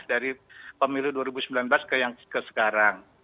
dari pemilih dua ribu sembilan belas ke sekarang